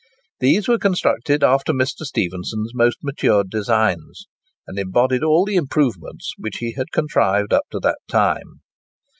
These were constructed after Mr. Stephenson's most matured designs, and embodied all the improvements which he had contrived up to that time.